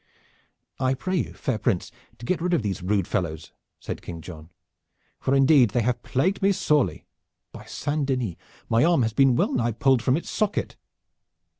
"I pray you, fair Prince, to get rid of these rude fellows," said King John, "for indeed they have plagued me sorely. By Saint Denis! my arm has been well nigh pulled from its socket."